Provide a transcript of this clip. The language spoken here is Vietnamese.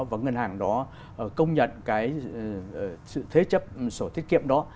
và ngân hàng đó công nhận cái sự thế chấp sổ tiết kiệm đó